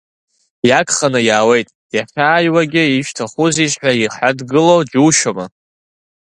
Иагханы иаауеит, иахьааиуагьы, ишәҭахузеишь ҳәа иҳадгылоу џьушьоума?